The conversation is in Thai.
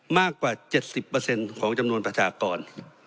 มากกว่า๗๐เปอร์เซ็นต์ของจำนวนประชากร